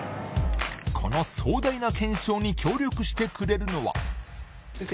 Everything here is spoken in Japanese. この壮大な検証に協力してくれるのは先生